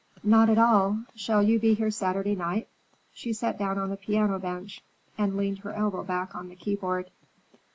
"Not at all. Shall you be here Saturday night?" She sat down on the piano bench and leaned her elbow back on the keyboard.